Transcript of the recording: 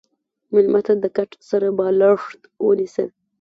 مېلمه ته د کټ سره بالښت ونیسه.